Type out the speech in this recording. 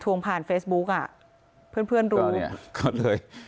ทวงผ่านเฟซบุ๊คอ่ะเพื่อนเพื่อนรู้ก็เลย